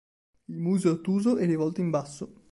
Il muso è ottuso e rivolto in basso.